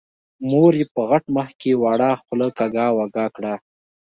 مور يې په غټ مخ کې وړه خوله کږه وږه کړه.